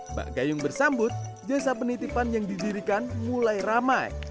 mbak gayung bersambut jasa penitipan yang didirikan mulai ramai